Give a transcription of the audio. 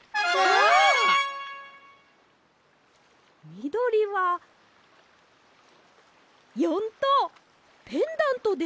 みどりは４とうペンダントですね。